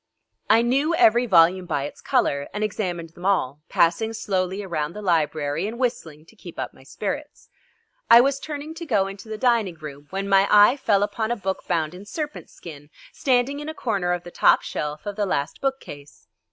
I knew every volume by its colour and examined them all, passing slowly around the library and whistling to keep up my spirits. I was turning to go into the dining room when my eye fell upon a book bound in serpent skin, standing in a corner of the top shelf of the last bookcase.